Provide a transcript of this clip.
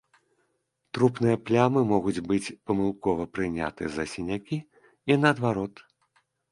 Трупныя плямы могуць быць памылкова прыняты за сінякі, і наадварот.